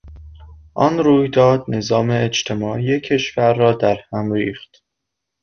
آن رویداد نظام اجتماعی کشور را درهم ریخت.